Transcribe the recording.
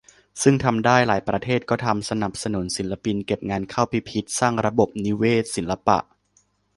ซึ่งทำได้ หลายประเทศก็ทำ สนับสนุนศิลปิน เก็บงานเข้าพิพิธ สร้างระบบนิเวศศิลปะ